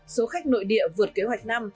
số khách nội địa vượt kế hoạch năm